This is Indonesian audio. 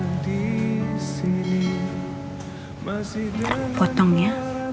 ntar aku potong ya